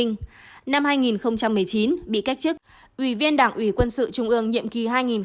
năm hai nghìn một mươi chín bị cách chức ủy viên đảng ủy quân sự trung ương nhiệm kỳ hai nghìn năm hai nghìn một mươi